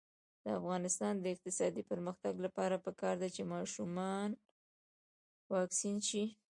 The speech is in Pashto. د افغانستان د اقتصادي پرمختګ لپاره پکار ده چې ماشومان واکسین شي.